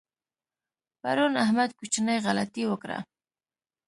پرون احمد کوچنۍ غلطۍ وکړه.